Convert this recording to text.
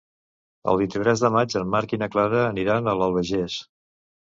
El vint-i-tres de maig en Marc i na Clara aniran a l'Albagés.